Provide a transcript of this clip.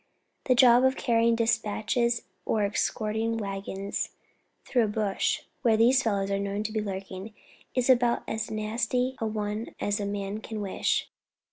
The job of carrying despatches or escorting waggons through a bush where these fellows are known to be lurking, is about as nasty a one as a man can wish.